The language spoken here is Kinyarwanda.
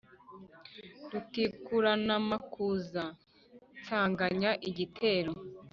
Rutikuranamakuza nsanganya igitero